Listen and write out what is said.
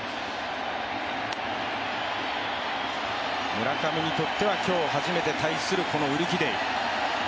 村上にとっては今日初めて対するウルキディ。